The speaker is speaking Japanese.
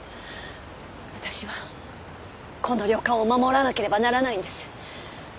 私はこの旅館を守らなければならないんです。